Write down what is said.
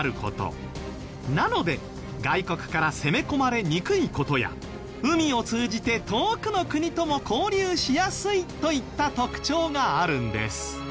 なので外国から攻め込まれにくい事や海を通じて遠くの国とも交流しやすいといった特徴があるんです。